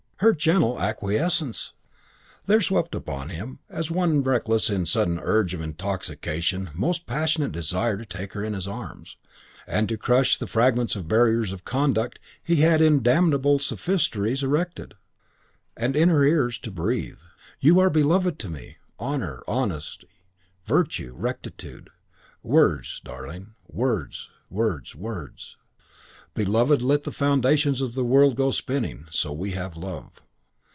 Her gentle acquiescence! There swept upon him, as one reckless in sudden surge of intoxication, most passionate desire to take her in his arms; and on her lips to crush to fragments the barriers of conduct he had in damnable sophistries erected; and in her ears to breathe, "You are beloved to me! Honour, honesty, virtue, rectitude words, darling, words, words, words! Beloved, let the foundations of the world go spinning, so we have love."